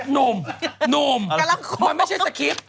นมนมมันไม่ใช่สคริป